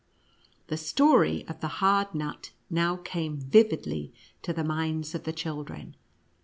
The story of the Hard Nut now came vividly to the minds of the children.